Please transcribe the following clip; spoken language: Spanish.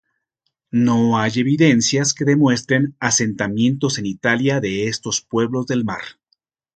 No hay evidencias que demuestren asentamientos en Italia de estos pueblos del mar.